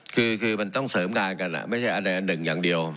คือมันต้องเสริมงานกันไม่ใช่อันใดอันหนึ่งอย่างเดียว